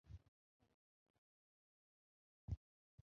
أنا لست متعباً على الإطلاق.